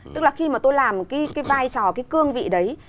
tức là khi mà tôi làm cái vai trò cái cương vị đấy